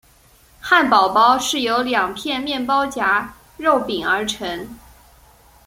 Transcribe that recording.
汉堡包是由两片面包夹肉饼而成。